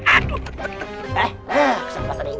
eh kesan pasangan ini